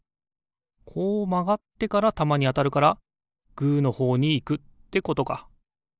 こうまがってからたまにあたるからグーのほうにいくってことか。